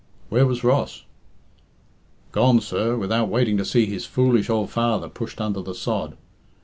"Where was Ross?" "Gone, sir, without waiting to see his foolish ould father pushed under the sod.